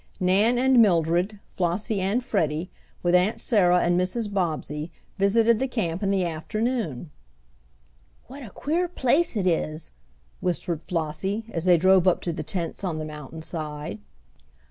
Nan and Mildred, Flossie and Freddie, with Aunt Sarah and Mrs. Bobbsey, visited the camp in the afternoon. "What a queer place it is!" whispered Flossie, as they drove up to the tents on the mountain side.